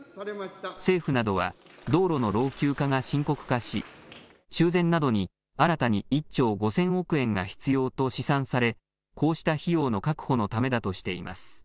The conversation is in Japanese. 政府などは道路の老朽化が深刻化し修繕などに新たに１兆５０００億円が必要と試算され、こうした費用の確保のためだとしています。